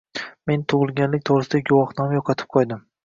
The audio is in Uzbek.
Men tug‘ilganlik to‘g‘risidagi guvohnomani yo‘qotib qo‘ydim.